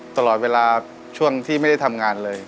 ตลอดเวลาช่วงที่ไม่ได้ทำงานเลย